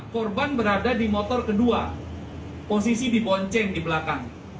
korban berada di motor kedua posisi di bonceng di belakang